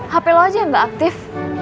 hp lo aja yang nggak aktif